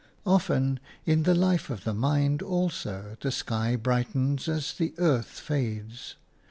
Often in the life of the mind also the sky brightens as the earth fades.